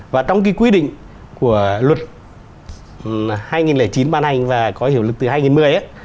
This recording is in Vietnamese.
và trong cái quy định của luật hai nghìn chín ban hành và có hiệu lực từ hai nghìn một mươi ấy